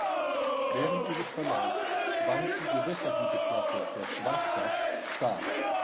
Während ihres Verlaufes schwankt die Gewässergüteklasse der Schwarzach stark.